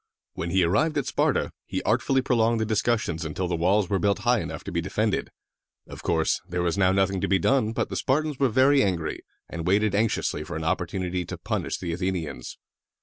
When he arrived at Sparta, he artfully prolonged the discussions until the walls were built high enough to be defended. Of course, there was now nothing to be done; but the Spartans were very angry, and waited anxiously for an opportunity to punish the Athenians.